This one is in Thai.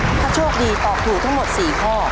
ถ้าโชคดีตอบถูกทั้งหมด๔ข้อ